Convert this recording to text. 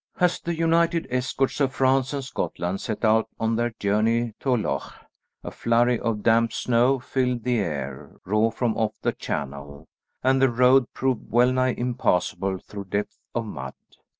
As the united escorts of France and Scotland set out on their journey to Loches a flurry of damp snow filled the air, raw from off the Channel, and the road proved wellnigh impassable through depth of mud.